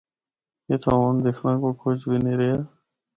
اِتھا ہونڑ دکھنڑا کو کجھ بھی نیں رہیا۔